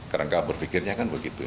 kerangka berpikirnya kan begitu